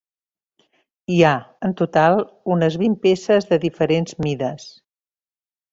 Hi ha, en total, unes vint peces de diferents mides.